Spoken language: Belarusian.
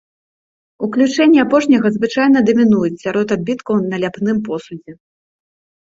Уключэнні апошняга звычайна дамінуюць сярод адбіткаў на ляпным посудзе.